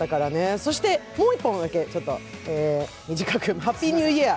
そしてもう１本だけ、短く、「ハッピーニューイヤー」。